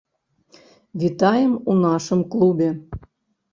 Вітаем у нашым клубе!